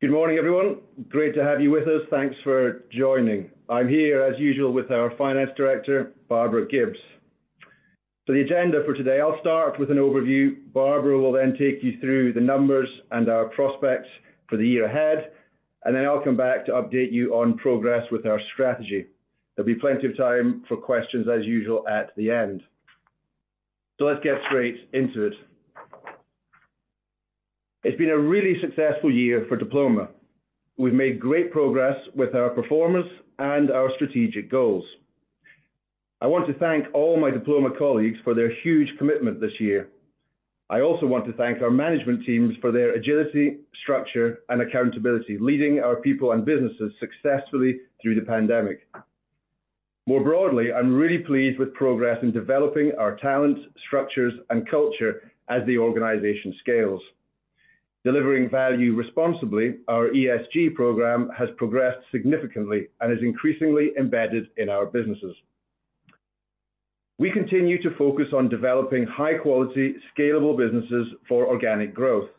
Good morning, everyone. Great to have you with us. Thanks for joining. I'm here, as usual, with our Finance Director, Barbara Gibbes. For the agenda for today, I'll start with an overview. Barbara will then take you through the numbers and our prospects for the year ahead, and then I'll come back to update you on progress with our strategy. There'll be plenty of time for questions, as usual, at the end. Let's get straight into it. It's been a really successful year for Diploma. We've made great progress with our performance and our strategic goals. I want to thank all my Diploma colleagues for their huge commitment this year. I also want to thank our management teams for their agility, structure, and accountability, leading our people and businesses successfully through the pandemic. More broadly, I'm really pleased with progress in developing our talent, structures, and culture as the organization scales. Delivering value responsibly, our ESG program has progressed significantly and is increasingly embedded in our businesses. We continue to focus on developing high-quality, scalable businesses for organic growth.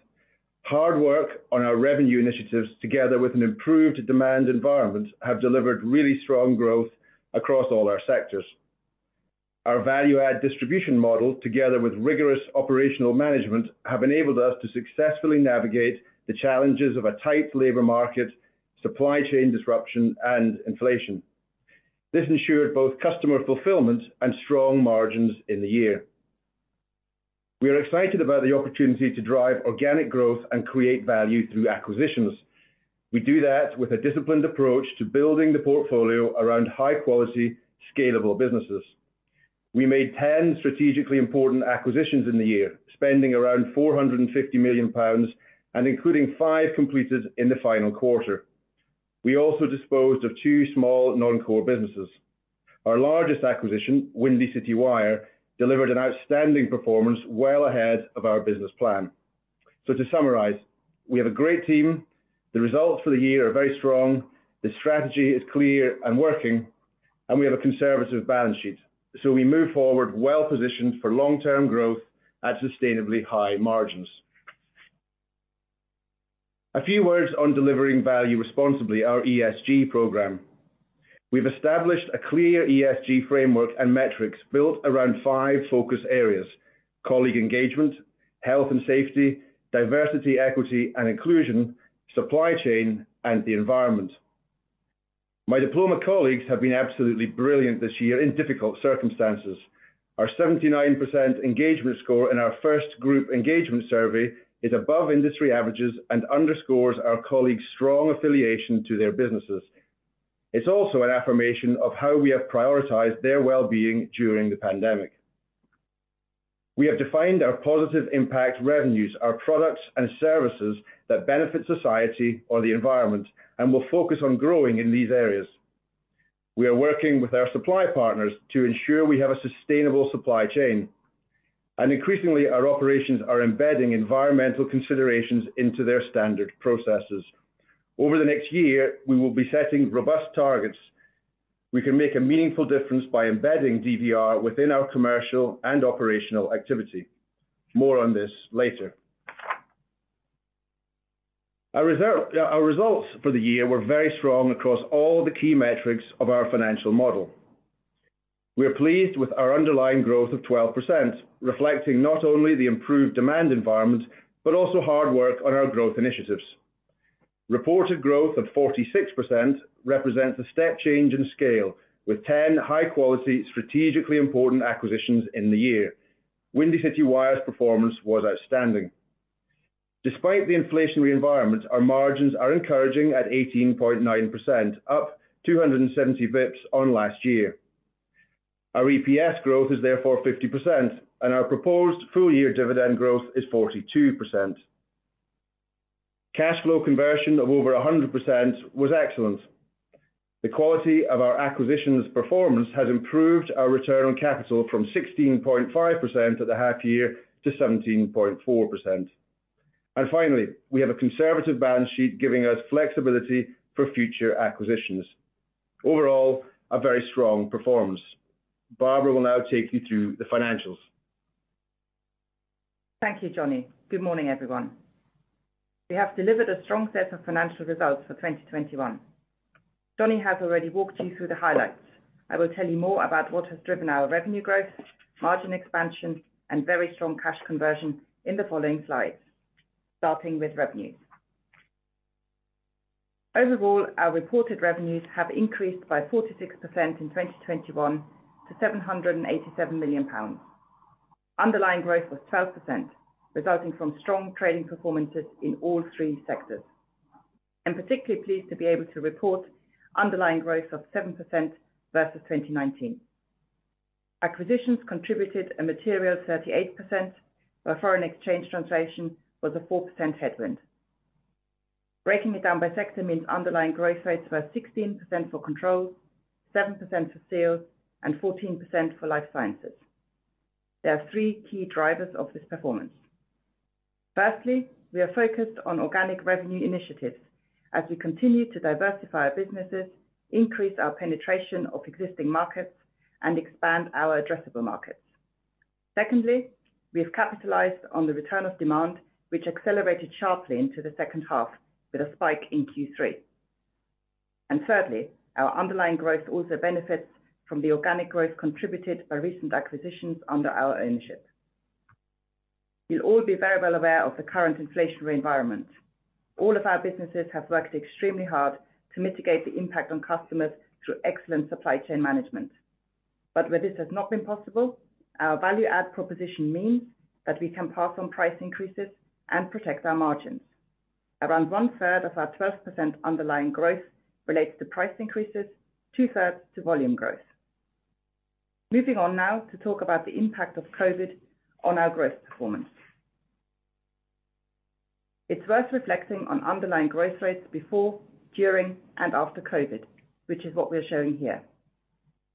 Hard work on our revenue initiatives, together with an improved demand environment, have delivered really strong growth across all our sectors. Our value-add distribution model, together with rigorous operational management, have enabled us to successfully navigate the challenges of a tight labor market, supply chain disruption, and inflation. This ensured both customer fulfillment and strong margins in the year. We are excited about the opportunity to drive organic growth and create value through acquisitions. We do that with a disciplined approach to building the portfolio around high-quality, scalable businesses. We made 10 strategically important acquisitions in the year, spending around 450 million pounds and including five completed in the final quarter. We also disposed of two small non-core businesses. Our largest acquisition, Windy City Wire, delivered an outstanding performance well ahead of our business plan. To summarize, we have a great team, the results for the year are very strong, the strategy is clear and working, and we have a conservative balance sheet. We move forward well-positioned for long-term growth at sustainably high margins. A few words on delivering value responsibly, our ESG program. We've established a clear ESG framework and metrics built around five focus areas, colleague engagement, health and safety, diversity, equity, and inclusion, supply chain, and the environment. My Diploma colleagues have been absolutely brilliant this year in difficult circumstances. Our 79% engagement score in our first group engagement survey is above industry averages and underscores our colleagues' strong affiliation to their businesses. It's also an affirmation of how we have prioritized their well-being during the pandemic. We have defined our positive impact revenues, our products and services that benefit society or the environment, and we'll focus on growing in these areas. We are working with our supply partners to ensure we have a sustainable supply chain. Increasingly, our operations are embedding environmental considerations into their standard processes. Over the next year, we will be setting robust targets. We can make a meaningful difference by embedding DVR within our commercial and operational activity. More on this later. Our results for the year were very strong across all the key metrics of our financial model. We are pleased with our underlying growth of 12%, reflecting not only the improved demand environment, but also hard work on our growth initiatives. Reported growth of 46% represents a step change in scale with 10 high-quality, strategically important acquisitions in the year. Windy City Wire's performance was outstanding. Despite the inflationary environment, our margins are encouraging at 18.9%, up 270 basis points on last year. Our EPS growth is therefore 50%, and our proposed full-year dividend growth is 42%. Cash flow conversion of over 100 was excellent. The quality of our acquisitions performance has improved our return on capital from 16.5% at the half-year to 17.4%. Finally, we have a conservative balance sheet giving us flexibility for future acquisitions. Overall, a very strong performance. Barbara will now take you through the financials. Thank you, Johnny. Good morning, everyone. We have delivered a strong set of financial results for 2021. Johnny has already walked you through the highlights. I will tell you more about what has driven our revenue growth, margin expansion, and very strong cash conversion in the following slides, starting with revenues. Overall, our reported revenues have increased by 46% in 2021 to 787 million pounds. Underlying growth was 12%, resulting from strong trading performances in all three sectors. I'm particularly pleased to be able to report underlying growth of 7% versus 2019. Acquisitions contributed a material 38%, while foreign exchange translation was a 4% headwind. Breaking it down by sector means underlying growth rates were 16% for Controls, 7% for Seals, and 14% for Life Sciences. There are three key drivers of this performance. Firstly, we are focused on organic revenue initiatives as we continue to diversify our businesses, increase our penetration of existing markets, and expand our addressable markets. Secondly, we have capitalized on the return of demand, which accelerated sharply into the second half with a spike in Q3. Third, our underlying growth also benefits from the organic growth contributed by recent acquisitions under our ownership. You'll all be very well aware of the current inflationary environment. All of our businesses have worked extremely hard to mitigate the impact on customers through excellent supply chain management. Where this has not been possible, our value-add proposition means that we can pass on price increases and protect our margins. Around one-third of our 12% underlying growth relates to price increases, two-thirds to volume growth. Moving on now to talk about the impact of COVID on our growth performance. It's worth reflecting on underlying growth rates before, during, and after COVID, which is what we are showing here.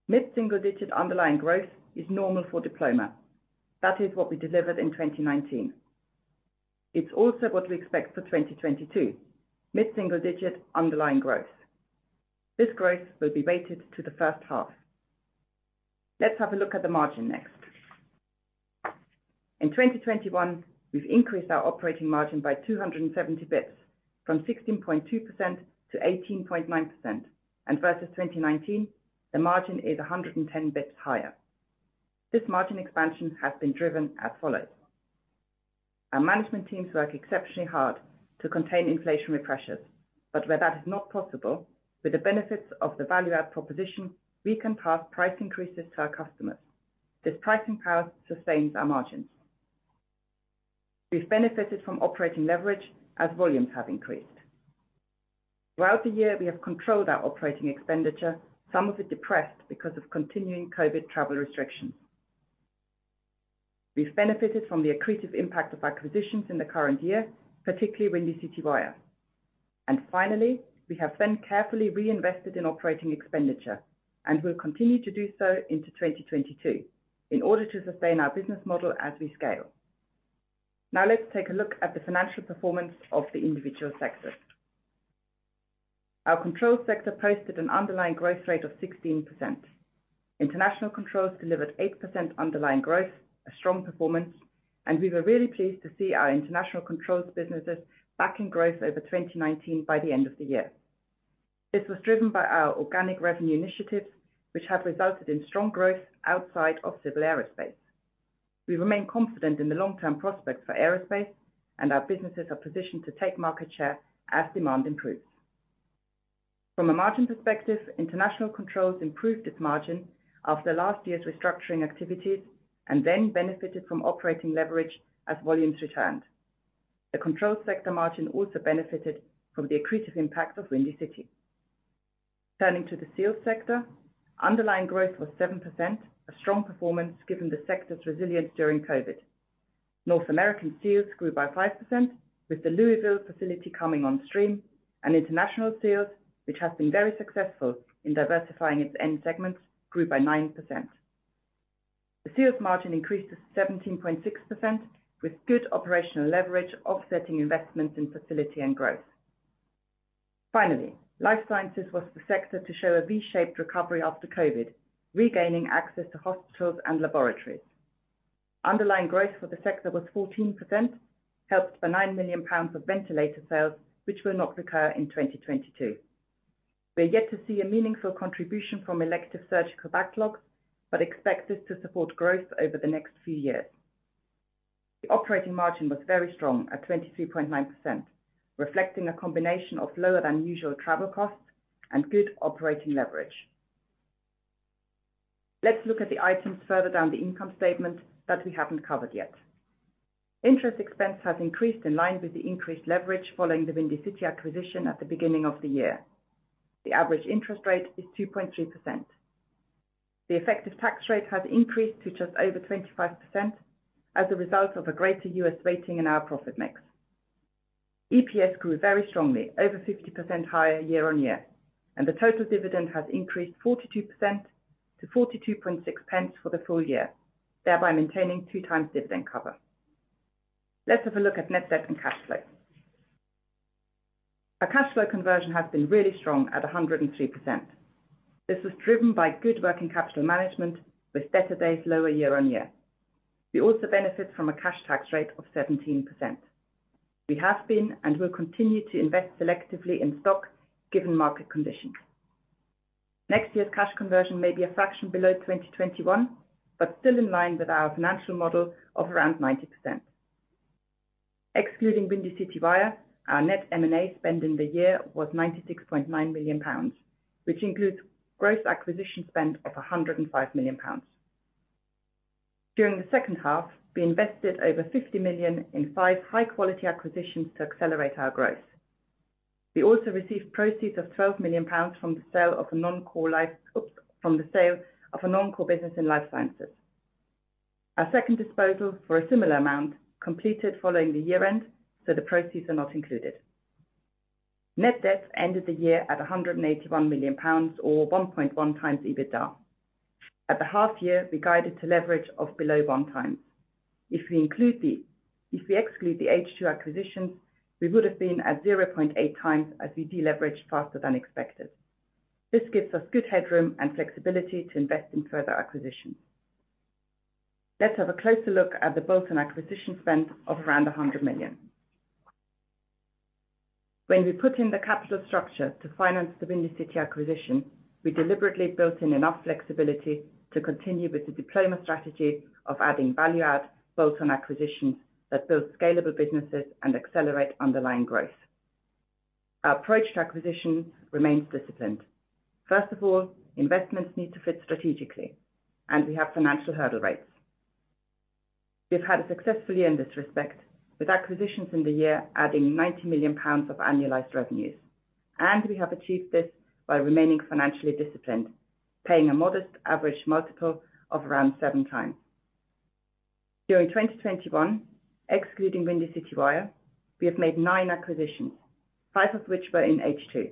Mid-single digit underlying growth is normal for Diploma. That is what we delivered in 2019. It's also what we expect for 2022, mid-single digit underlying growth. This growth will be weighted to the first half. Let's have a look at the margin next. In 2021, we've increased our operating margin by 270 basis points from 16.2% to 18.9%. Versus 2019 the margin is 110 basis points higher. This margin expansion has been driven as follows. Our management teams work exceptionally hard to contain inflationary pressures. Where that is not possible, with the benefits of the value-add proposition, we can pass price increases to our customers. This pricing power sustains our margins. We've benefited from operating leverage as volumes have increased. Throughout the year we have controlled our operating expenditure, some of it depressed because of continuing Covid travel restrictions. We've benefited from the accretive impact of acquisitions in the current year, particularly Windy City Wire. Finally, we have then carefully reinvested in operating expenditure and will continue to do so into 2022 in order to sustain our business model as we scale. Now let's take a look at the financial performance of the individual sectors. Our Controls sector posted an underlying growth rate of 16%. International Controls delivered 8% underlying growth, a strong performance, and we were really pleased to see our international Controls businesses back in growth over 2019 by the end of the year. This was driven by our organic revenue initiatives, which have resulted in strong growth outside of civil aerospace. We remain confident in the long-term prospects for aerospace and our businesses are positioned to take market share as demand improves. From a margin perspective, International Controls improved its margin after last year's restructuring activities and then benefited from operating leverage as volumes returned. The control sector margin also benefited from the accretive impact of Windy City. Turning to the seals sector, underlying growth was 7%, a strong performance given the sector's resilience during COVID. North American seals grew by 5% with the Louisville facility coming on stream and international seals, which has been very successful in diversifying its end segments, grew by 9%. The seals margin increased to 17.6% with good operational leverage offsetting investments in facility and growth. Finally, Life Sciences was the sector to show a V-shaped recovery after COVID, regaining access to hospitals and laboratories. Underlying growth for the sector was 14%, helped by 9 million pounds of ventilator sales, which will not recur in 2022. We're yet to see a meaningful contribution from elective surgical backlogs, but expect this to support growth over the next few years. The operating margin was very strong at 23.9%, reflecting a combination of lower than usual travel costs and good operating leverage. Let's look at the items further down the income statement that we haven't covered yet. Interest expense has increased in line with the increased leverage following the Windy City Wire acquisition at the beginning of the year. The average interest rate is 2.3%. The effective tax rate has increased to just over 25% as a result of a greater U.S. weighting in our profit mix. EPS grew very strongly over 50% higher year-on-year, and the total dividend has increased 42% to 0.426 for the full year, thereby maintaining 2x dividend cover. Let's have a look at net debt and cash flow. Our cash flow conversion has been really strong at 103%. This was driven by good working capital management with debtor days lower year-on-year. We also benefit from a cash tax rate of 17%. We have been, and will continue to invest selectively in stock given market conditions. Next year's cash conversion may be a fraction below 2021, but still in line with our financial model of around 90%. Excluding Windy City Wire, our net M&A spend in the year was 96.9 million pounds, which includes gross acquisition spend of 105 million pounds. During the second half, we invested over 50 million in five high-quality acquisitions to accelerate our growth. We also received proceeds of 12 million pounds from the sale of a non-core business in Life Sciences. Our second disposal for a similar amount completed following the year-end, so the proceeds are not included. Net debt ended the year at 181 million pounds or 1.1 times EBITDA. At the half year we guided to leverage of below one times. If we exclude the H2 acquisitions, we would have been at 0.8 times as we deleveraged faster than expected. This gives us good headroom and flexibility to invest in further acquisitions. Let's have a closer look at the built-in acquisition spend of around 100 million. When we put in the capital structure to finance the Windy City Wire acquisition, we deliberately built in enough flexibility to continue with the deployment strategy of adding value-add built on acquisitions that build scalable businesses and accelerate underlying growth. Our approach to acquisitions remains disciplined. First of all, investments need to fit strategically, and we have financial hurdle rates. We've had success for you in this respect, with acquisitions in the year adding 90 million pounds of annualized revenues, and we have achieved this by remaining financially disciplined, paying a modest average multiple of around 7x. During 2021, excluding Windy City Wire, we have made nine acquisitions, five of which were in H2.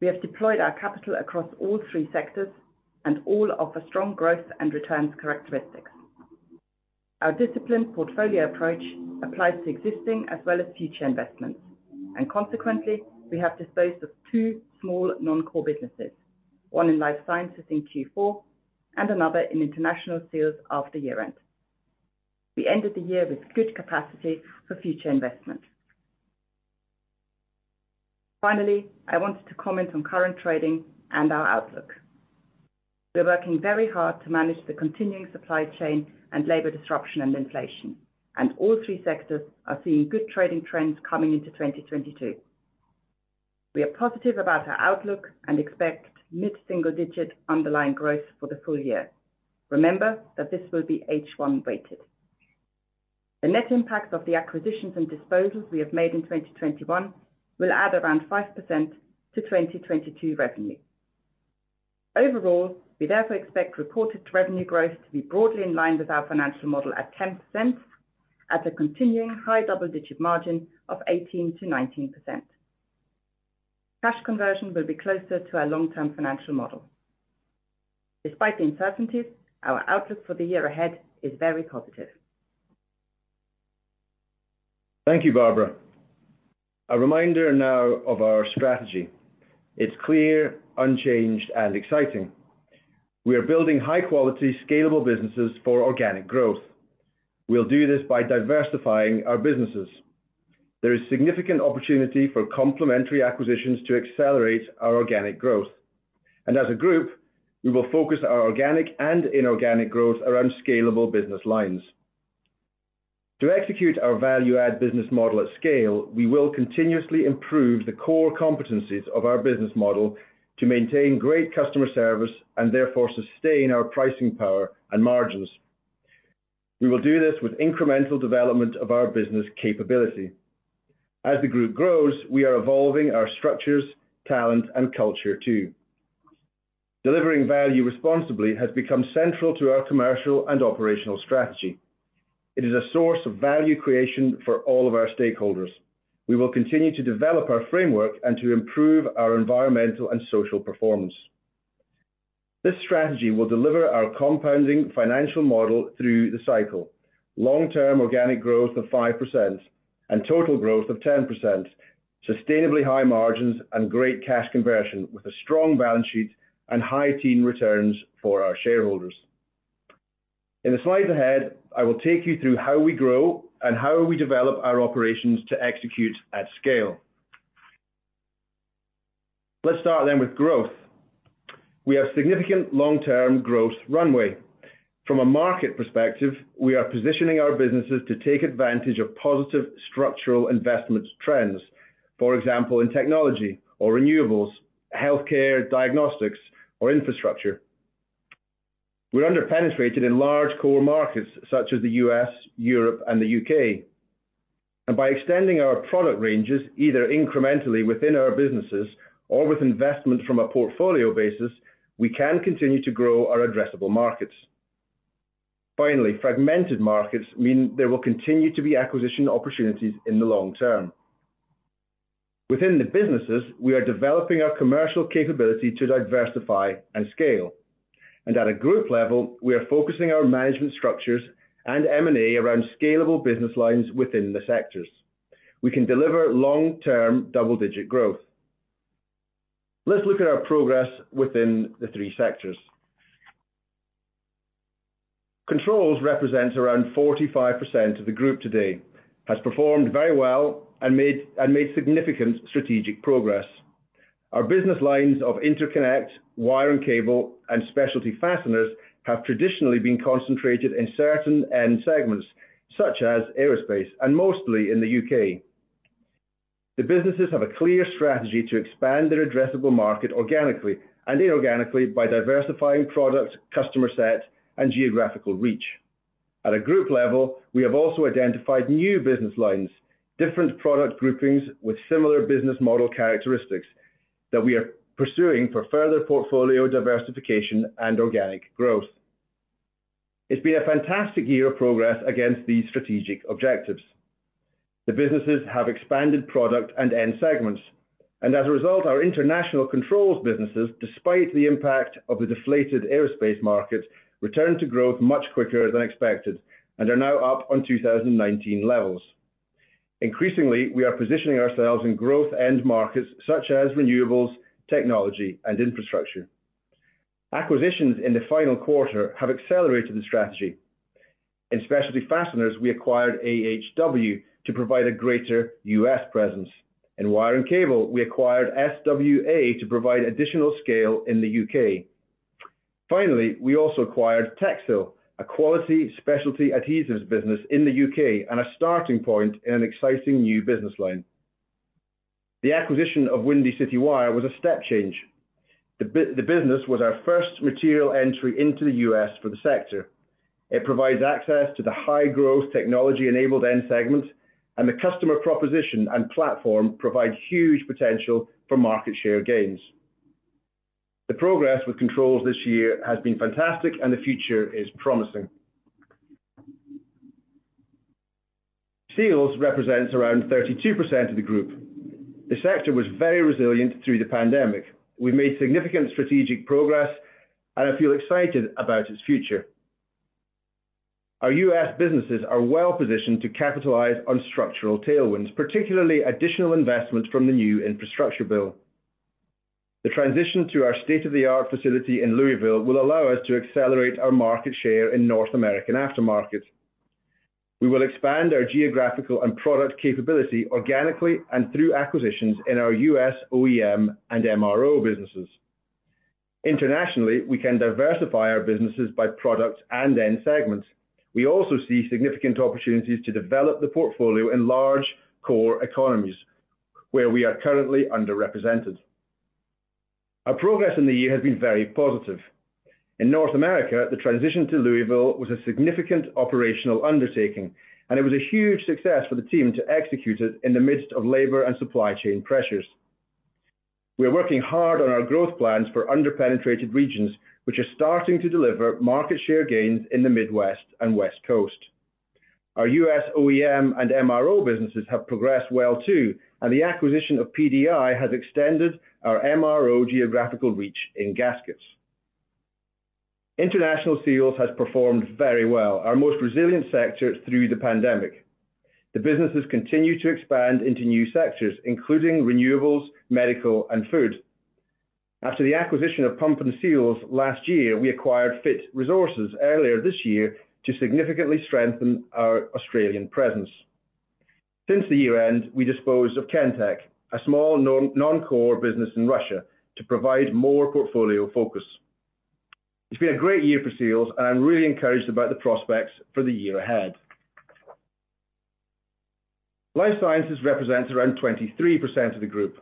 We have deployed our capital across all three sectors and all offer strong growth and returns characteristics. Our disciplined portfolio approach applies to existing as well as future investments, and consequently, we have disposed of two small non-core businesses, one in life sciences in Q4 and another in International Sales after year-end. We ended the year with good capacity for future investment. Finally, I wanted to comment on current trading and our outlook. We're working very hard to manage the continuing supply chain and labor disruption and inflation, and all three sectors are seeing good trading trends coming into 2022. We are positive about our outlook and expect mid-single-digit underlying growth for the full year. Remember that this will be H1 weighted. The net impact of the acquisitions and disposals we have made in 2021 will add around 5% to 2022 revenue. Overall, we therefore expect reported revenue growth to be broadly in line with our financial model at 10% at a continuing high double-digit margin of 18%-19%. Cash conversion will be closer to our long-term financial model. Despite the uncertainties, our outlook for the year ahead is very positive. Thank you, Barbara. A reminder now of our strategy. It's clear, unchanged, and exciting. We are building high-quality, scalable businesses for organic growth. We'll do this by diversifying our businesses. There is significant opportunity for complementary acquisitions to accelerate our organic growth. As a group, we will focus our organic and inorganic growth around scalable business lines. To execute our value-add business model at scale, we will continuously improve the core competencies of our business model to maintain great customer service and therefore sustain our pricing power and margins. We will do this with incremental development of our business capability. As the group grows, we are evolving our structures, talent, and culture too. Delivering value responsibly has become central to our commercial and operational strategy. It is a source of value creation for all of our stakeholders. We will continue to develop our framework and to improve our environmental and social performance. This strategy will deliver our compounding financial model through the cycle, long-term organic growth of 5% and total growth of 10%, sustainably high margins and great cash conversion with a strong balance sheet and high-teens returns for our shareholders. In the slides ahead, I will take you through how we grow and how we develop our operations to execute at scale. Let's start then with growth. We have significant long-term growth runway. From a market perspective, we are positioning our businesses to take advantage of positive structural investment trends, for example, in technology or renewables, healthcare diagnostics, or infrastructure. We're under-penetrated in large core markets such as the U.S., Europe, and the U.K. By extending our product ranges, either incrementally within our businesses or with investment from a portfolio basis, we can continue to grow our addressable markets. Finally, fragmented markets mean there will continue to be acquisition opportunities in the long term. Within the businesses, we are developing our commercial capability to diversify and scale. At a group level, we are focusing our management structures and M&A around scalable business lines within the sectors. We can deliver long-term double-digit growth. Let's look at our progress within the three sectors. Controls represents around 45% of the group today, has performed very well, and made significant strategic progress. Our business lines of interconnect, wire and cable, and specialty fasteners have traditionally been concentrated in certain end segments, such as aerospace, and mostly in the U.K. The businesses have a clear strategy to expand their addressable market organically and inorganically by diversifying product, customer set, and geographical reach. At a group level, we have also identified new business lines, different product groupings with similar business model characteristics that we are pursuing for further portfolio diversification and organic growth. It's been a fantastic year of progress against these strategic objectives. The businesses have expanded product and end segments, and as a result, our International Controls businesses, despite the impact of the deflated aerospace market, returned to growth much quicker than expected and are now up on 2019 levels. Increasingly, we are positioning ourselves in growth end markets such as renewables, technology and infrastructure. Acquisitions in the final quarter have accelerated the strategy. In Specialty Fasteners, we acquired AHW to provide a greater U.S. presence. In Wire and Cable, we acquired SWA to provide additional scale in the U.K. Finally, we also acquired Techsil, a quality specialty adhesives business in the U.K. and a starting point in an exciting new business line. The acquisition of Windy City Wire was a step change. The business was our first material entry into the U.S. for the sector. It provides access to the high-growth technology-enabled end segments, and the customer proposition and platform provide huge potential for market share gains. The progress with Controls this year has been fantastic and the future is promising. Seals represents around 32% of the group. The sector was very resilient through the pandemic. We made significant strategic progress, and I feel excited about its future. Our U.S. businesses are well positioned to capitalize on structural tailwinds, particularly additional investment from the new infrastructure bill. The transition to our state-of-the-art facility in Louisville will allow us to accelerate our market share in North American aftermarket. We will expand our geographical and product capability organically and through acquisitions in our U.S. OEM and MRO businesses. Internationally, we can diversify our businesses by products and end segments. We also see significant opportunities to develop the portfolio in large core economies where we are currently underrepresented. Our progress in the year has been very positive. In North America, the transition to Louisville was a significant operational undertaking, and it was a huge success for the team to execute it in the midst of labor and supply chain pressures. We are working hard on our growth plans for under-penetrated regions, which are starting to deliver market share gains in the Midwest and West Coast. Our U.S. OEM and MRO businesses have progressed well too, and the acquisition of PDI has extended our MRO geographical reach in gaskets. International Seals has performed very well, our most resilient sector through the pandemic. The businesses continue to expand into new sectors, including renewables, medical and food. After the acquisition of PUMPNSEAL last year, we acquired FITT Resources earlier this year to significantly strengthen our Australian presence. Since the year-end, we disposed of Kentek, a small non-core business in Russia, to provide more portfolio focus. It's been a great year for Seals, and I'm really encouraged about the prospects for the year ahead. Life sciences represents around 23% of the group.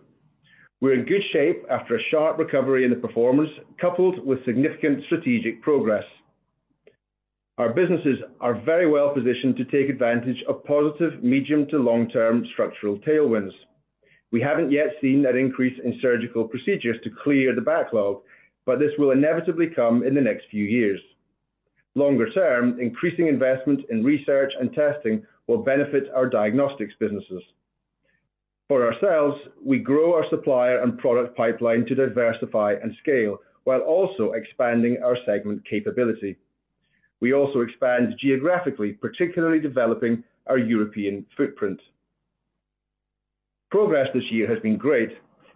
We're in good shape after a sharp recovery in the performance, coupled with significant strategic progress. Our businesses are very well-positioned to take advantage of positive medium to long-term structural tailwinds. We haven't yet seen that increase in surgical procedures to clear the backlog, but this will inevitably come in the next few years. Longer term, increasing investment in research and testing will benefit our diagnostics businesses. For ourselves, we grow our supplier and product pipeline to diversify and scale while also expanding our segment capability. We also expand geographically, particularly developing our European footprint. Progress this year has been great.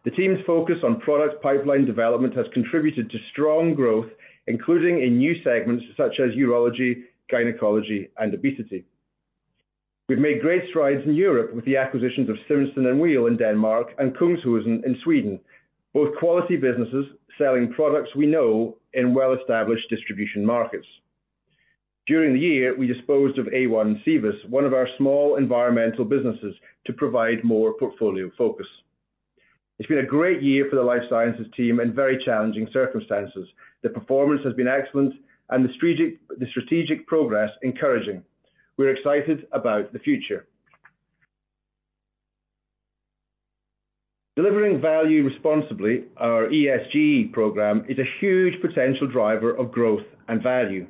The team's focus on product pipeline development has contributed to strong growth, including in new segments such as urology, gynecology, and obesity. We've made great strides in Europe with the acquisitions of Simonsen & Weel in Denmark and Kungshusen in Sweden, both quality businesses selling products we know in well-established distribution markets. During the year, we disposed of a1-envirosciences, one of our small environmental businesses, to provide more portfolio focus. It's been a great year for the life sciences team in very challenging circumstances. The performance has been excellent and the strategic progress encouraging. We're excited about the future. Delivering value responsibly, our ESG program, is a huge potential driver of growth and value.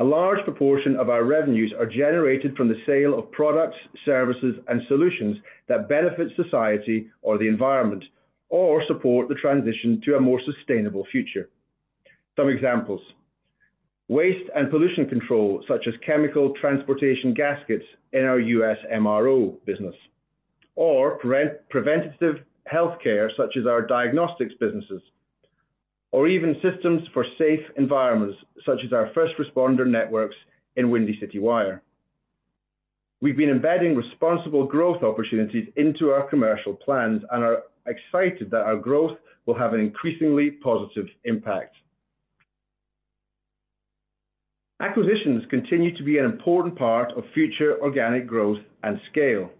A large proportion of our revenues are generated from the sale of products, services and solutions that benefit society or the environment or support the transition to a more sustainable future. Some examples, waste and pollution control, such as chemical transportation gaskets in our U.S. MRO business or preventative health care such as our diagnostics businesses, or even systems for safe environments such as our first responder networks in Windy City Wire. We've been embedding responsible growth opportunities into our commercial plans and are excited that our growth will have an increasingly positive impact. Acquisitions continue to be an important part of future organic growth and scale.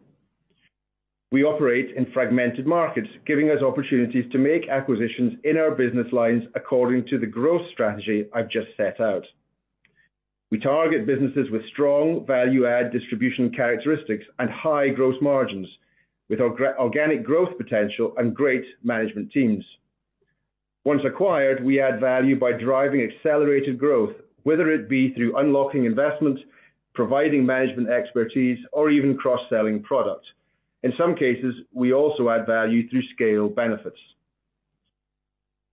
We operate in fragmented markets, giving us opportunities to make acquisitions in our business lines according to the growth strategy I've just set out. We target businesses with strong value-add distribution characteristics and high growth margins with organic growth potential and great management teams. Once acquired, we add value by driving accelerated growth, whether it be through unlocking investments, providing management expertise or even cross-selling products. In some cases, we also add value through scale benefits.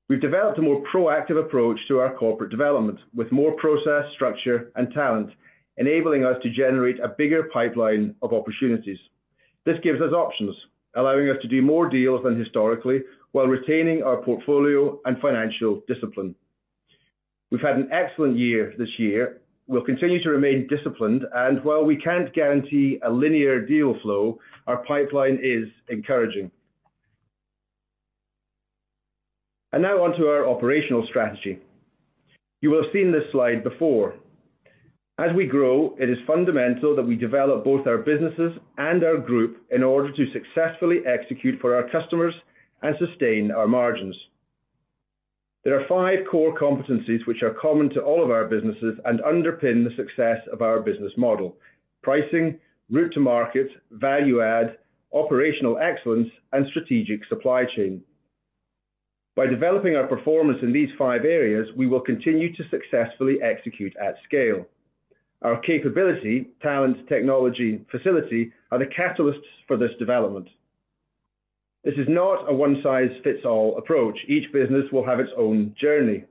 We've developed a more proactive approach to our corporate development with more process, structure, and talent, enabling us to generate a bigger pipeline of opportunities. This gives us options, allowing us to do more deals than historically while retaining our portfolio and financial discipline. We've had an excellent year this year. We'll continue to remain disciplined, and while we can't guarantee a linear deal flow, our pipeline is encouraging. Now onto our operational strategy. You will have seen this slide before. As we grow, it is fundamental that we develop both our businesses and our group in order to successfully execute for our customers and sustain our margins. There are five core competencies which are common to all of our businesses and underpin the success of our business model. Pricing, route to market, value-add, operational excellence, and strategic supply chain. By developing our performance in these five areas, we will continue to successfully execute at scale. Our capability, talent, technology, and facility are the catalysts for this development. This is not a one-size-fits-all approach. Each business will have its own journey.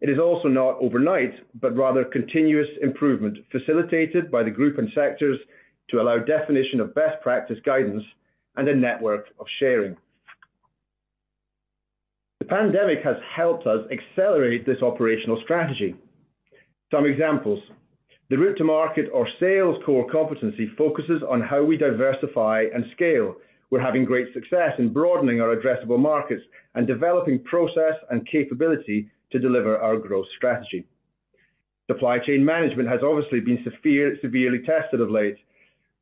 It is also not overnight, but rather continuous improvement facilitated by the group and sectors to allow definition of best practice guidance and a network of sharing. The pandemic has helped us accelerate this operational strategy. Some examples. The route to market or sales core competency focuses on how we diversify and scale. We're having great success in broadening our addressable markets and developing process and capability to deliver our growth strategy. Supply chain management has obviously been severely tested of late.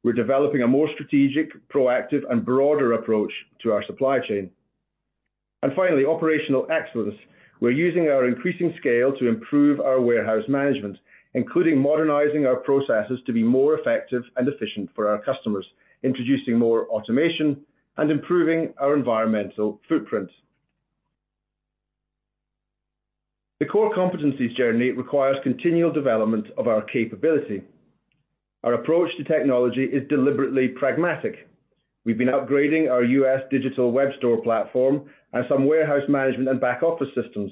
We're developing a more strategic, proactive, and broader approach to our supply chain. Finally, operational excellence. We're using our increasing scale to improve our warehouse management, including modernizing our processes to be more effective and efficient for our customers, introducing more automation and improving our environmental footprint. The core competencies journey requires continual development of our capability. Our approach to technology is deliberately pragmatic. We've been upgrading our U.S. digital web store platform and some warehouse management and back office systems.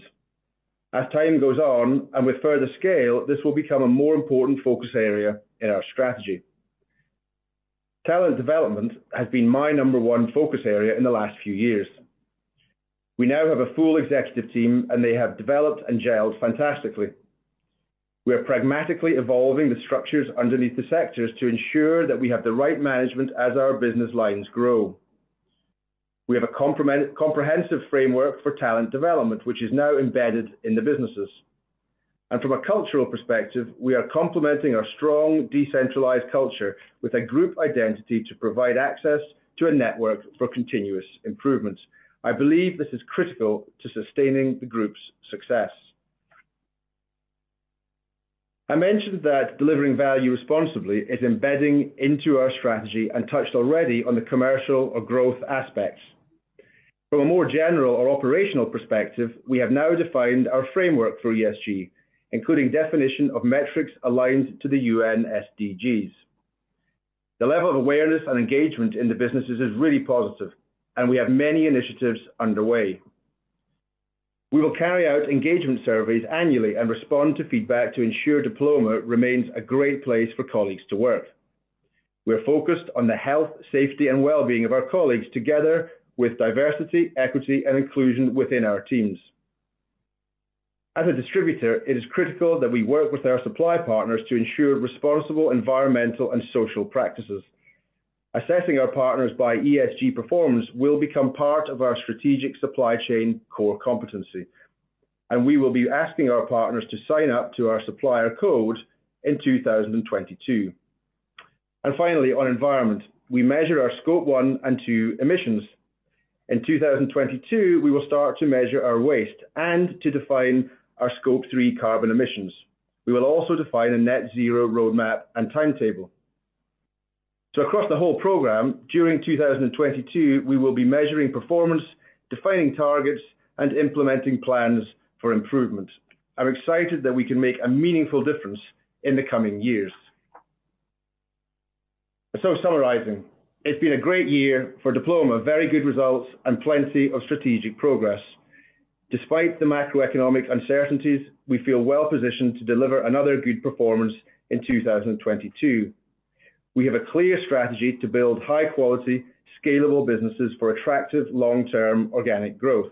As time goes on and with further scale, this will become a more important focus area in our strategy. Talent development has been my number one focus area in the last few years. We now have a full executive team, and they have developed and gelled fantastically. We are pragmatically evolving the structures underneath the sectors to ensure that we have the right management as our business lines grow. We have a comprehensive framework for talent development, which is now embedded in the businesses. From a cultural perspective, we are complementing our strong decentralized culture with a group identity to provide access to a network for continuous improvements. I believe this is critical to sustaining the group's success. I mentioned that delivering value responsibly is embedded into our strategy and touched already on the commercial or growth aspects. From a more general or operational perspective, we have now defined our framework for ESG, including definition of metrics aligned to the UN SDGs. The level of awareness and engagement in the businesses is really positive, and we have many initiatives underway. We will carry out engagement surveys annually and respond to feedback to ensure Diploma remains a great place for colleagues to work. We're focused on the health, safety and well-being of our colleagues, together with diversity, equity, and inclusion within our teams. As a distributor, it is critical that we work with our supply partners to ensure responsible environmental and social practices. Assessing our partners by ESG performance will become part of our strategic supply chain core competency, and we will be asking our partners to sign up to our Supplier Code of Conduct in 2022. Finally, on environment, we measure our Scope 1 and 2 emissions. In 2022, we will start to measure our waste and to define our Scope 3 carbon emissions. We will also define a net-zero roadmap and timetable. Across the whole program, during 2022, we will be measuring performance, defining targets, and implementing plans for improvement. I'm excited that we can make a meaningful difference in the coming years. Summarizing. It's been a great year for Diploma. Very good results and plenty of strategic progress. Despite the macroeconomic uncertainties, we feel well positioned to deliver another good performance in 2022. We have a clear strategy to build high quality, scalable businesses for attractive long-term organic growth.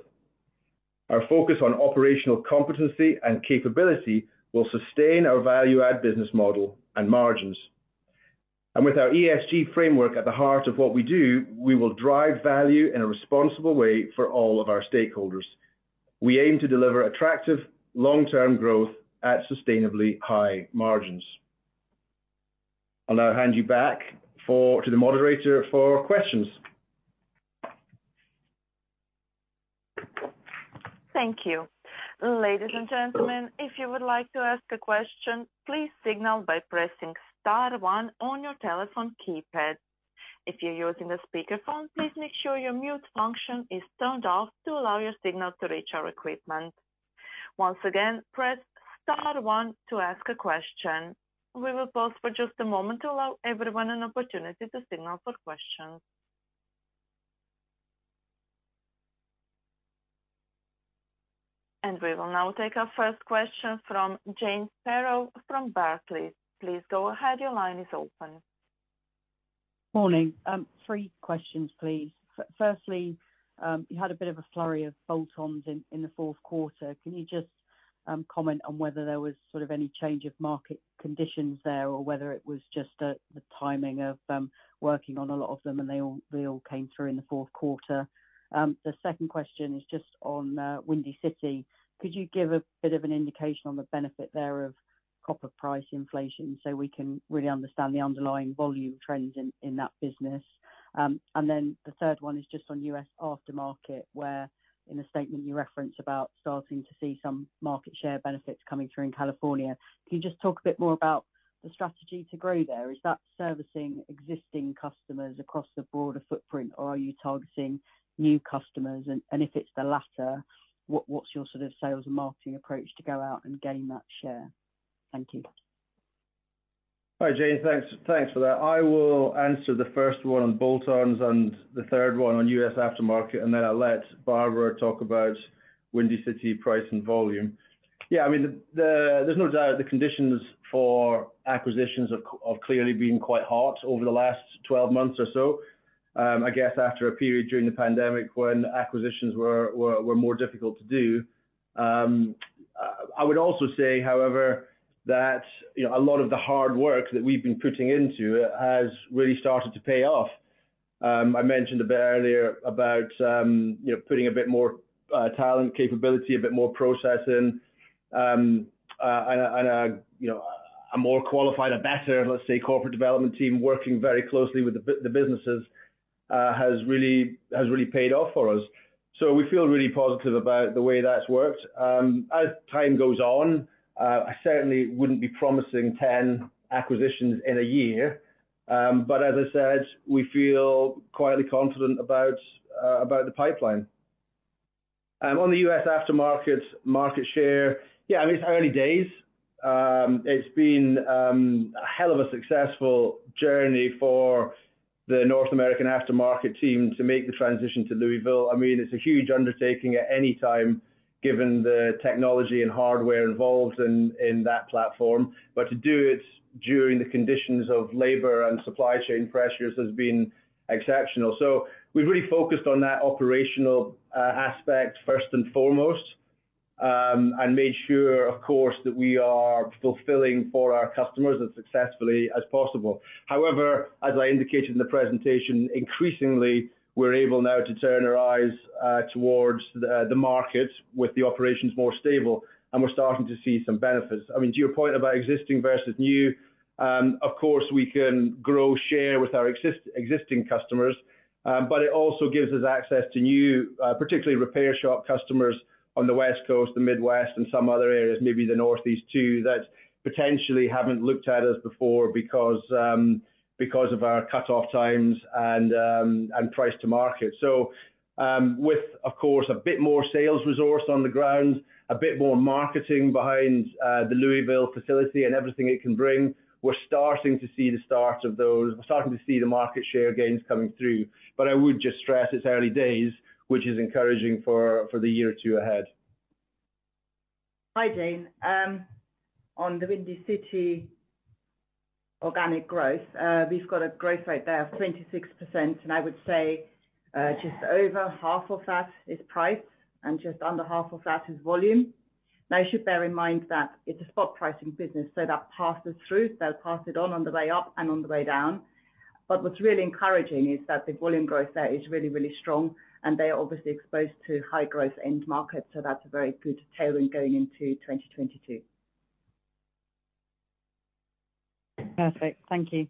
Our focus on operational competency and capability will sustain our value-add business model and margins. With our ESG framework at the heart of what we do, we will drive value in a responsible way for all of our stakeholders. We aim to deliver attractive long-term growth at sustainably high margins. I'll now hand you back over to the moderator for questions. Thank you. Ladies and gentlemen, if you would like to ask a question, please signal by pressing star one on your telephone keypad. If you're using a speakerphone, please make sure your mute function is turned off to allow your signal to reach our equipment. Once again, press star one to ask a question. We will pause for just a moment to allow everyone an opportunity to signal for questions. We will now take our first question from James Ferrow from Barclays. Please go ahead. Your line is open. Morning. Three questions, please. Firstly, you had a bit of a flurry of bolt-ons in the fourth quarter. Can you just comment on whether there was any change of market conditions there or whether it was just the timing of working on a lot of them and they all came through in Q4? The second question is just on Windy City. Could you give a bit of an indication on the benefit there of copper price inflation so we can really understand the underlying volume trends in that business? Then the third one is just on U.S. aftermarket, where in a statement you referenced about starting to see some market share benefits coming through in California. Can you just talk a bit more about the strategy to grow there? Is that servicing existing customers across the broader footprint, or are you targeting new customers? If it's the latter, what's your sales and marketing approach to go out and gain that share? Thank you. Hi, James. Thanks for that. I will answer the first one on bolt-ons and the third one on U.S. aftermarket, and then I'll let Barbara talk about Windy City price and volume. Yes, there's no doubt the conditions for acquisitions have clearly been quite hot over the last 12 months or so. I guess after a period during the pandemic when acquisitions were more difficult to do. I would also say, however, that, a lot of the hard work that we've been putting into it has really started to pay off. I mentioned a bit earlier about putting a bit more talent capability, a bit more processing, and a, a more qualified and better, let's say, corporate development team working very closely with the businesses has really paid off for us. We feel really positive about the way that's worked. As time goes on, I certainly wouldn't be promising 10 acquisitions in a year. As I said, we feel quietly confident about the pipeline. On the U.S. aftermarket market share, yes, it's early days. It's been a hell of a successful journey for the North American aftermarket team to make the transition to Louisville. It's a huge undertaking at any time, given the technology and hardware involved in that platform. To do it during the conditions of labor and supply chain pressures has been exceptional. We've really focused on that operational aspect first and foremost, and made sure, of course, that we are fulfilling for our customers as successfully as possible. However, as I indicated in the presentation, increasingly, we're able now to turn our eyes towards the market with the operations more stable, and we're starting to see some benefits. To your point about existing versus new, of course, we can grow share with our existing customers, but it also gives us access to new, particularly repair shop customers on the West Coast, the Midwest, and some other areas, maybe the Northeast too, that potentially haven't looked at us before because of our cutoff times and price to market. With, of course, a bit more sales resource on the ground, a bit more marketing behind the Louisville facility and everything it can bring, we're starting to see the start of those. We're starting to see the market share gains coming through. I would just stress it's early days, which is encouraging for the year or two ahead. Hi, James. On the Windy City Wire organic growth, we've got a growth rate there of 26%, and I would say, just over half of that is price and just under half of that is volume. Now, you should bear in mind that it's a spot pricing business, so that passes through. They'll pass it on the way up and on the way down. What's really encouraging is that the volume growth there is really, really strong, and they are obviously exposed to high growth end market. That's a very good tailwind going into 2022. Perfect. Thank you.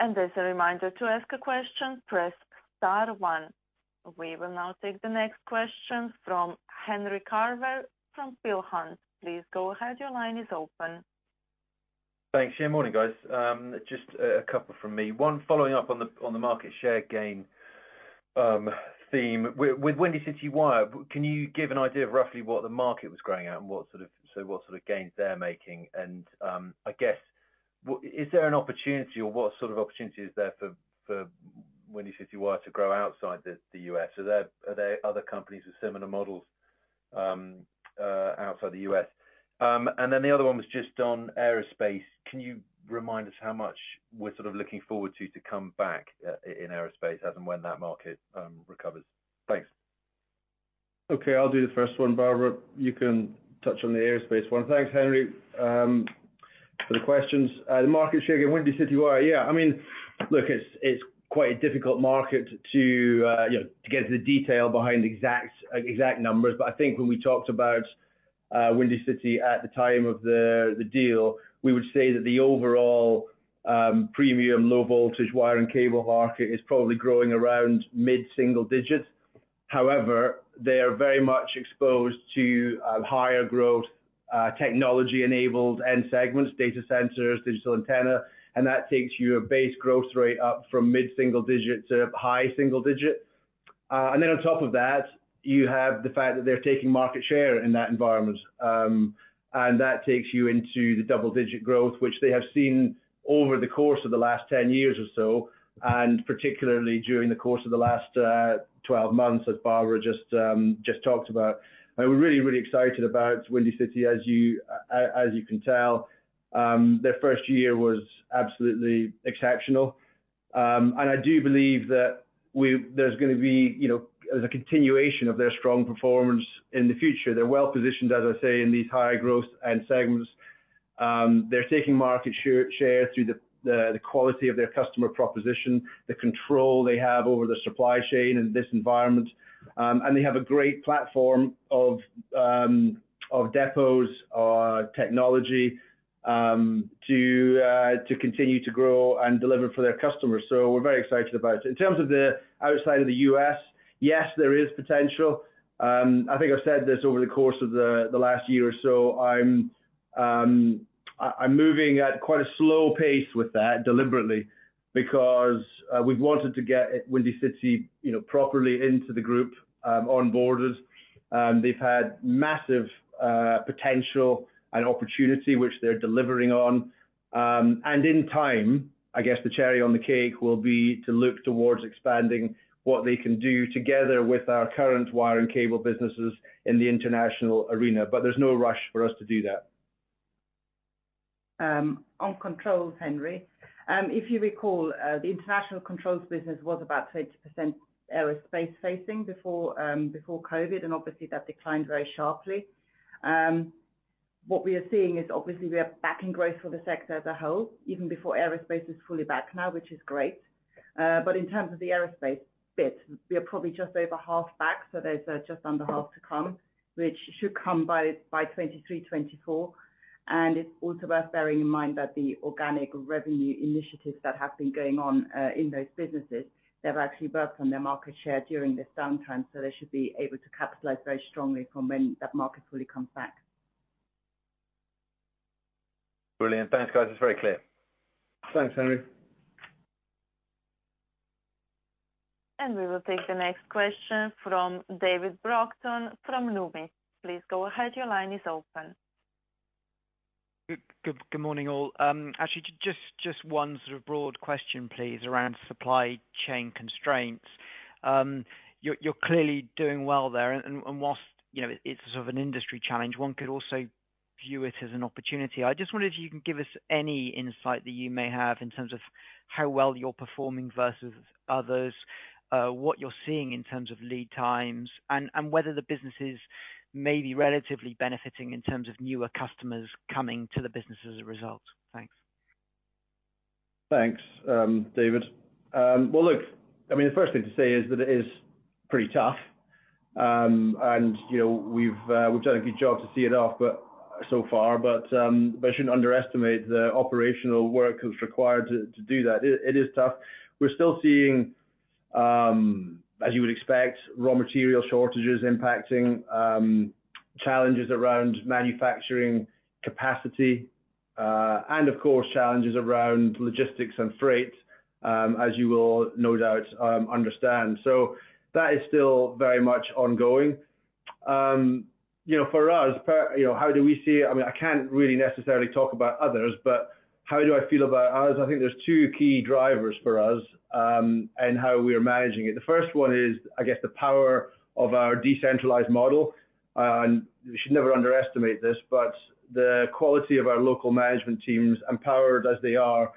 As a reminder, to ask a question, press star one. We will now take the next question from Henry Carver from Peel Hunt. Please go ahead. Your line is open. Thanks. Morning, guys. Just a couple from me. One, following up on the market share gain theme. With Windy City Wire, can you give an idea of roughly what the market was growing at and what gains they're making? I guess, is there an opportunity or what opportunity is there for Windy City Wire to grow outside the U.S.? Are there other companies with similar models outside the U.S.? And then the other one was just on aerospace. Can you remind us how much we're looking forward to come back in aerospace as and when that market recovers? Thanks. Okay, I'll do the first one. Barbara, you can touch on the aerospace one. Thanks, Henry, for the questions. The market share gain Windy City Wire. Yes, look, it's quite a difficult market to get to the detail behind the exact numbers. I think when we talked about Windy City at the time of the deal, we would say that the overall premium low voltage wire and cable market is probably growing around mid-single digits. However, they are very much exposed to higher growth technology enabled end segments, data centers, digital antenna, and that takes your base growth rate up from mid-single digit to high single-digit. Then on top of that, you have the fact that they're taking market share in that environment. That takes you into the double-digit growth, which they have seen over the course of the last 10 years or so, and particularly during the course of the last 12 months, as Barbara just talked about. We're really excited about Windy City, as you can tell. Their first year was absolutely exceptional. I do believe that there's going to be a continuation of their strong performance in the future. They're well positioned, as I say, in these higher growth end segments. They're taking market share through the quality of their customer proposition, the control they have over the supply chain in this environment. They have a great platform of depots technology to continue to grow and deliver for their customers. We're very excited about it. In terms of the outside of the U.S., yes, there is potential. I think I've said this over the course of the last year or so. I'm moving at quite a slow pace with that deliberately because we've wanted to get Windy City Wire properly into the group onboarded. They've had massive potential and opportunity which they're delivering on. In time, I guess the cherry on the cake will be to look towards expanding what they can do together with our current wire and cable businesses in the international arena. There's no rush for us to do that. On Controls, Henry, if you recall, the International Controls business was about 20% aerospace-facing before COVID, and obviously that declined very sharply. What we are seeing is obviously we are backing growth for the sector as a whole, even before aerospace is fully back now, which is great. But in terms of the aerospace bit, we are probably just over half back, so there's just under half to come, which should come by 2023-2024. It's also worth bearing in mind that the organic revenue initiatives that have been going on in those businesses, they've actually worked on their market share during this downtime, so they should be able to capitalize very strongly from when that market fully comes back. Brilliant. Thanks, guys. It's very clear. Thanks, Henry. We will take the next question from David Brockton from Numis. Please go ahead. Your line is open. Good morning, all. Actually, just one broad question, please, around supply chain constraints. You're clearly doing well there and while, it's an industry challenge, one could also view it as an opportunity. I just wondered if you can give us any insight that you may have in terms of how well you're performing versus others, what you're seeing in terms of lead times and whether the businesses may be relatively benefiting in terms of newer customers coming to the business as a result. Thanks. Thanks, David. Well, look, the first thing to say is that it is pretty tough. We've done a good job to see it off, but so far. I shouldn't underestimate the operational work that's required to do that. It is tough. We're still seeing, as you would expect, raw material shortages impacting, challenges around manufacturing capacity, and of course, challenges around logistics and freight, as you will no doubt understand. That is still very much ongoing. For us, how do we see it? I can't really necessarily talk about others, but how do I feel about us? I think there's two key drivers for us, in how we are managing it. The first one is, I guess, the power of our decentralized model. We should never underestimate this, but the quality of our local management teams, empowered as they are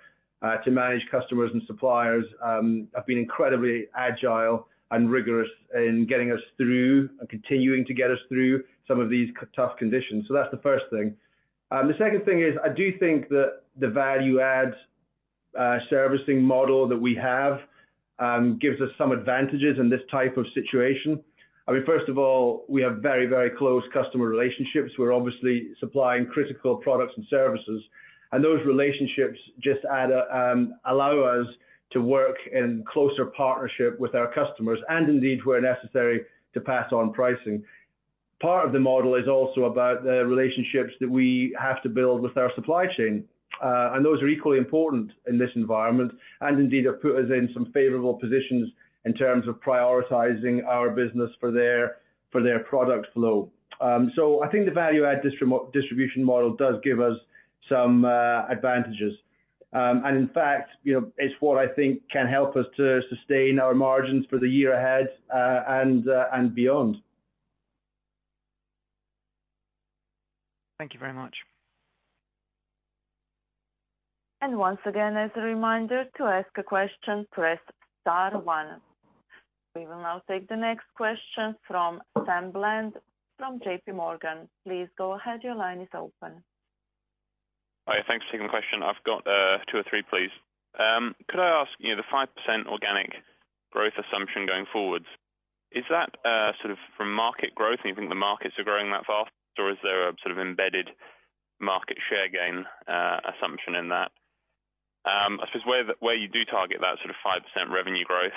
to manage customers and suppliers, have been incredibly agile and rigorous in getting us through and continuing to get us through some of these tough conditions. That's the first thing. The second thing is, I do think that the value-add servicing model that we have gives us some advantages in this type of situation. First of all, we have very, very close customer relationships. We're obviously supplying critical products and services, and those relationships just allow us to work in closer partnership with our customers and indeed where necessary to pass on pricing. Part of the model is also about the relationships that we have to build with our supply chain, and those are equally important in this environment, and indeed have put us in some favorable positions in terms of prioritizing our business for their product flow. I think the value-add distribution model does give us some advantages. In fact, it's what I think can help us to sustain our margins for the year ahead, and beyond. Thank you very much. Once again, as a reminder to ask a question, press star one. We will now take the next question from Sam Bland from JPMorgan. Please go ahead. Your line is open. Hi. Thanks for taking the question. I've got two or three, please. Could I ask, the 5% organic growth assumption going forward, is that from market growth and you think the markets are growing that fast, or is there an embedded market share gain assumption in that? I suppose where you do target that 5% revenue growth,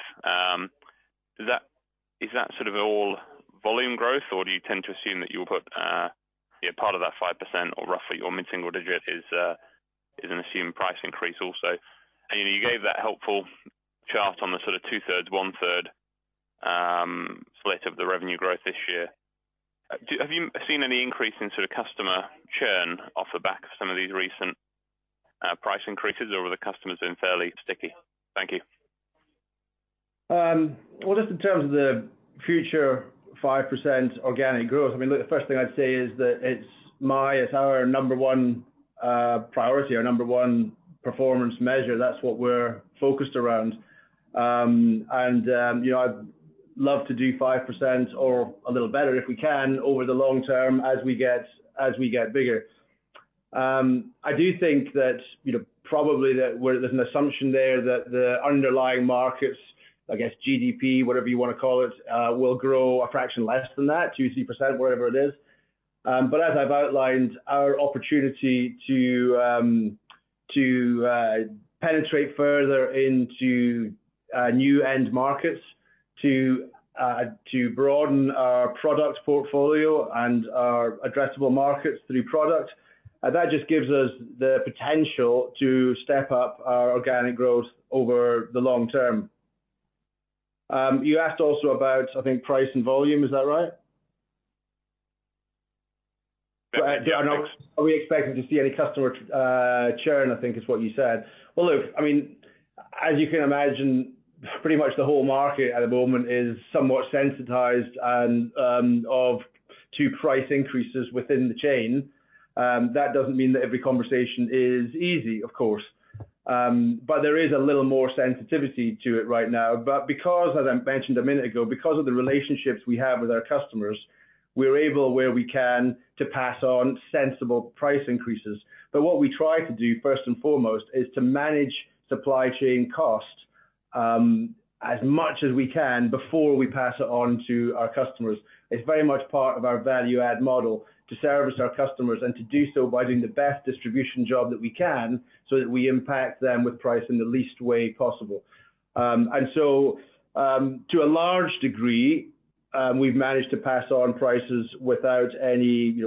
is that all volume growth or do you tend to assume that you'll put part of that 5% or roughly your mid-single digit is an assumed price increase also? You gave that helpful chart on the two-thirds, one-third split of the revenue growth this year. Have you seen any increase in customer churn off the back of some of these recent price increases or have the customers been fairly sticky? Thank you. Well, just in terms of the future 5% organic growth, look, the first thing I'd say is that it's our number one priority, our number one performance measure. That's what we're focused around. I'd love to do 5% or a little better if we can over the long term as we get bigger. I do think that probably that where there's an assumption there that the underlying markets, I guess GDP, whatever you want to call it, will grow a fraction less than that, 2%-3%, whatever it is. As I've outlined, our opportunity to penetrate further into new end markets to broaden our product portfolio and our addressable markets through product that just gives us the potential to step up our organic growth over the long term. You asked also about, I think, price and volume, is that right? Yes Are we expecting to see any customer churn? I think is what you said. Well, look, as you can imagine, pretty much the whole market at the moment is somewhat sensitized to price increases within the chain. That doesn't mean that every conversation is easy, of course. There is a little more sensitivity to it right now. Because, as I mentioned a minute ago, because of the relationships we have with our customers, we're able, where we can, to pass on sensible price increases. What we try to do first and foremost is to manage supply chain costs, as much as we can before we pass it on to our customers. It's very much part of our value-add model to service our customers and to do so by doing the best distribution job that we can so that we impact them with price in the least way possible. To a large degree, we've managed to pass on prices without any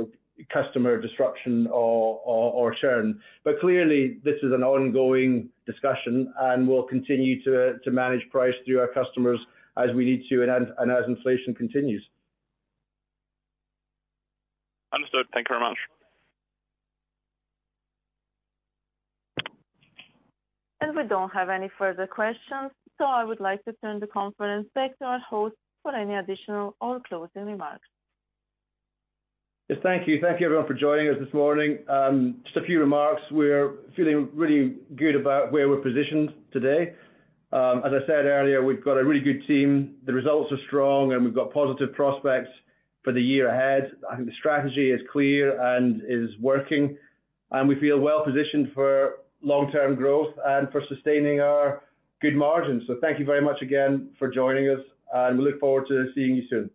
customer disruption or churn. Clearly this is an ongoing discussion and we'll continue to manage price through our customers as we need to and as inflation continues. Understood. Thank you very much. We don't have any further questions, so I would like to turn the conference back to our host for any additional or closing remarks. Yes, thank you. Thank you everyone for joining us this morning. Just a few remarks. We're feeling really good about where we're positioned today. As I said earlier, we've got a really good team. The results are strong, and we've got positive prospects for the year ahead. I think the strategy is clear and is working, and we feel well positioned for long-term growth and for sustaining our good margins. Thank you very much again for joining us, and we look forward to seeing you soon.